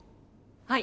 はい。